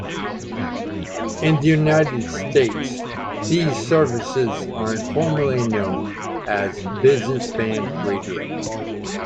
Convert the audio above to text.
In the United States these services are informally known as business band radio.